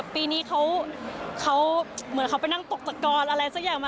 ปีนี้เขาเหมือนเขาไปนั่งตกตะกอนอะไรสักอย่างมา